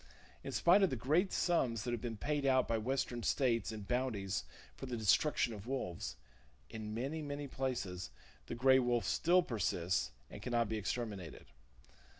In spite of the great sums that have been paid out by western states in bounties for the destruction of wolves, in many, many places the gray wolf still persists, and can not be exterminated.